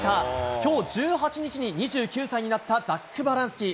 今日１８日に２９歳になったザック・バランスキー。